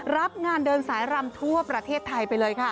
รับงานเดินสายรำทั่วประเทศไทยไปเลยค่ะ